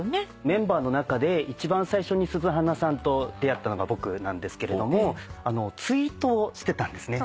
メンバーの中で一番最初に鈴華さんと出会ったのが僕なんですけれどもツイートをしてたんですね。